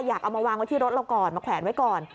เอามาวางไว้ที่รถเราก่อนมาแขวนไว้ก่อน